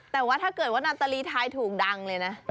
แต่ว่าถ้าเกิดว่านาตาลีไทยถูกดังเลยนะ